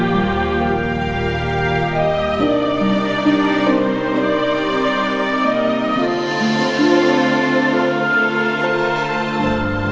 aku ngambil lokasi dengan om pria kecil kecil itu